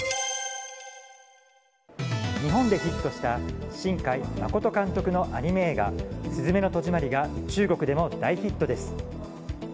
日本でヒットした新海誠監督のアニメ映画「すずめの戸締まり」が中国でも大ヒットです。